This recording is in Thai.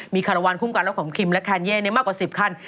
มีคารวาลคุ้มกันและของคิมและแคนเย่มากกว่า๑๐คัน